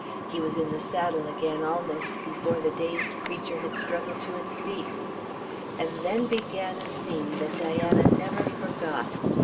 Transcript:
He was in the saddle again almost before the dazed creature had struggled to its feet. And then began a scene that Diana never forgot.